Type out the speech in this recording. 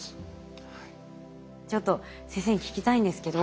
ちょっと先生に聞きたいんですけど。